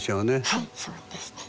はいそうですね。